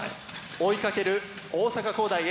追いかける大阪公大Ａ